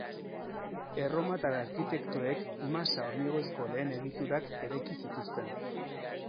Erromatar arkitektoek masa-hormigoizko lehen egiturak eraiki zituzten.